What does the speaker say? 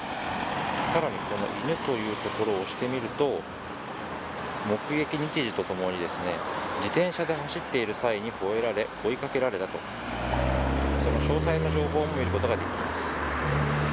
さらに犬というところを押してみると目撃日時とともに、自転車で走っている際にほえられ追い掛けられたと詳細な情報も見ることができます。